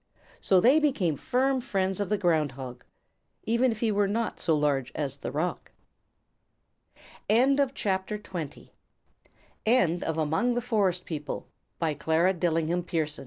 So they became firm friends of the Ground Hog, even if he were not so large as the rock. THE END. End of the Project Gutenberg EBook of Among the Forest People, by Clara Dillingham Piers